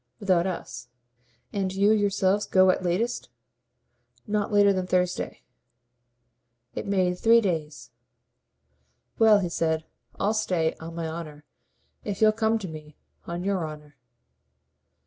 "Without us." "And you yourselves go at latest ?" "Not later than Thursday." It made three days. "Well," he said, "I'll stay, on my honour, if you'll come to me. On YOUR honour."